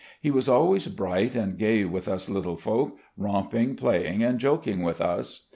He was always bright and gay with us little folk, romping, playing, and joking with us.